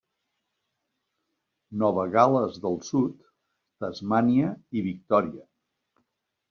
Nova Gal·les del Sud, Tasmània i Victòria.